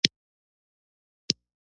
مورفیم پر دوه ډوله دئ.